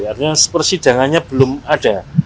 artinya persidangannya belum ada